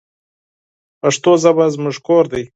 پښتو ژبه زموږ کور دی.